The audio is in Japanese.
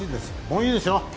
もういいでしょ？